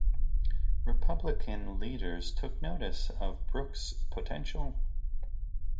Republican leaders took notice of Brooke's potential.